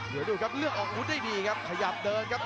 เดี๋ยวดูครับเลือกออกอาวุธได้ดีครับ